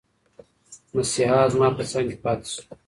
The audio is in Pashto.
مسیحا زما په څنګ کې پاتي شو.